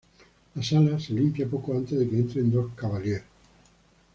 La sala se limpia poco antes de que entren dos cavaliers.